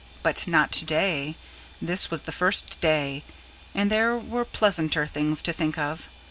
But not today: this was the first day; and there were pleasanter things to think of.